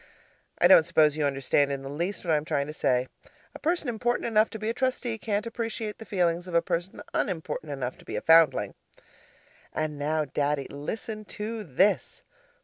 I don't suppose you understand in the least what I am trying to say. A person important enough to be a Trustee can't appreciate the feelings of a person unimportant enough to be a foundling. And now, Daddy, listen to this.